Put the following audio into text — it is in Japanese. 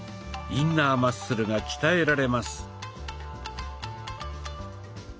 インナーマッスルが鍛えられます。